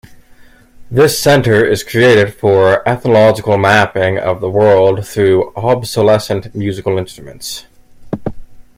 This centre is created for ethnological mapping of the world through obsolescent musical instruments.